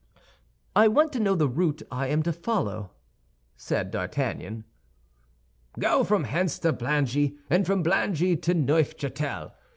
"I want to know the route I am to follow," said D'Artagnan. "Go from hence to Blangy, and from Blangy to Neufchâtel.